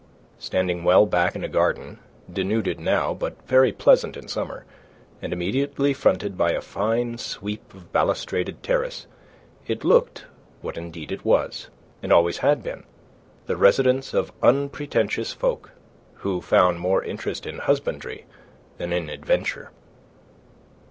Standing well back in a garden, denuded now, but very pleasant in summer, and immediately fronted by a fine sweep of balustraded terrace, it looked, what indeed it was, and always had been, the residence of unpretentious folk who found more interest in husbandry than in adventure.